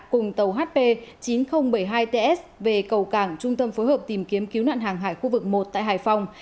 cùng tàu hp chín nghìn bảy mươi hai ts về cầu cảng trung tâm phối hợp tìm kiếm cứu nạn hàng hải khu vực một tại hải phòng